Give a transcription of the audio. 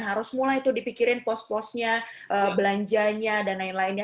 harus mulai tuh dipikirin pos posnya belanjanya dan lain lainnya